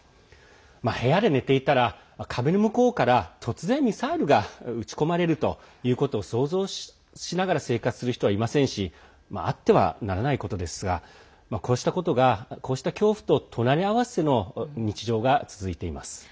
部屋で寝ていたら壁の向こうから突然、ミサイルが撃ち込まれるということを想像しながら生活する人はいませんしあってはならないことですがこうした恐怖と隣り合わせの日常が続いています。